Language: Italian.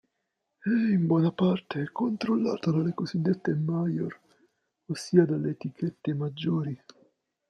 È in buona parte controllata dalle cosiddette "major", ossia dalle etichette maggiori.